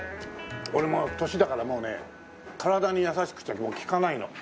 俺もう年だからもうね体に優しくちゃもう効かないの。